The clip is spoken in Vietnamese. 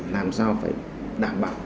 làm sao phải đảm bảo